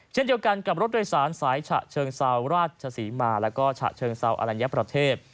เช่นเดียวกันกับรถโดยสารสายฉะเชิงเซาราชศรีมาแล้วก็ฉะเชิงเซาอลัญญประเทศ